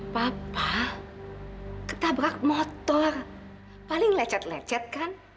papa ketabrak motor paling lecet lecet kan